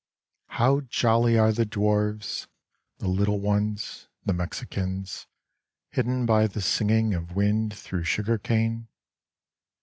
How jolly are the dwarves, the Ittle ones, the Mexicans, Hidden by the singing of wind through sugar cane.